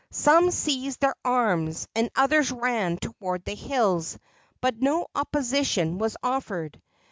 Some seized their arms, and others ran toward the hills, but no opposition was offered.